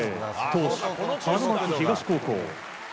投手、花巻東高校。